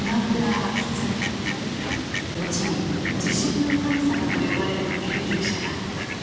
後に地震の神様と呼ばれる研究者だ。